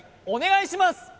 お願いします